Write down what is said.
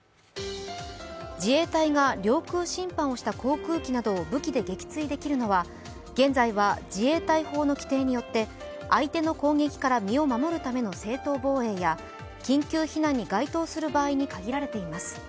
自衛隊が領空侵犯をした航空機などを武器で撃墜できるのは現在は自衛隊法の規程によって相手の攻撃から身を守るための正当防衛や緊急避難に該当する場合に限られています。